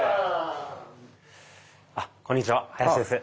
こんにちは林です。